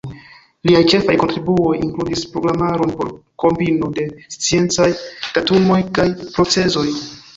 Liaj ĉefaj kontribuoj inkludis programaron por kombino de sciencaj datumoj kaj procezoj.